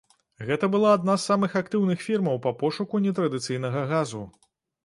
Гэта была адна з самых актыўных фірмаў па пошуку нетрадыцыйнага газу.